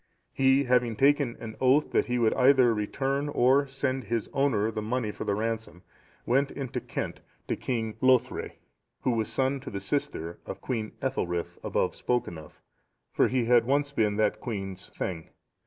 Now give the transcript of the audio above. He, having taken an oath that he would either return, or send his owner the money for the ransom, went into Kent to King Hlothere, who was son to the sister of Queen Ethelthryth,(680) above spoken of, for he had once been that queen's thegn.